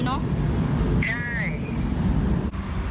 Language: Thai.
ใช่